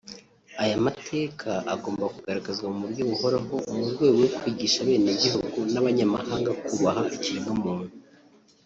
Ayo mateka agomba kugaragazwa ku buryo buhoraho mu rwego rwo kwigisha abenegihugu n’abanyamahanga kubaha ikiremwa muntu